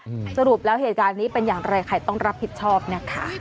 สรุปแล้วเหตุการณ์นี้เป็นอย่างไรใครต้องรับผิดชอบนะคะ